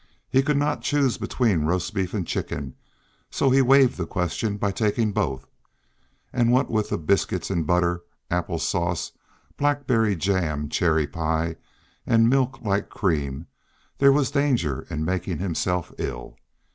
He could not choose between roast beef and chicken, and so he waived the question by taking both; and what with the biscuits and butter, apple sauce and blackberry jam, cherry pie and milk like cream, there was danger of making himself ill.